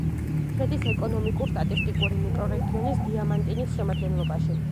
შედის ეკონომიკურ-სტატისტიკურ მიკრორეგიონ დიამანტინის შემადგენლობაში.